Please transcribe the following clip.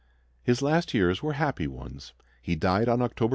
His last years were happy ones. He died on October 3, 1867.